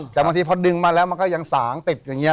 แต่บางทีพอดึงมาแล้วมันก็ยังสางติดอย่างนี้